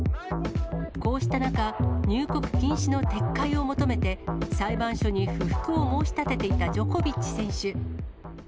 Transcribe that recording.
こうした中、入国禁止の撤回を求めて、裁判所に不服を申し立てていたジョコビッチ選手。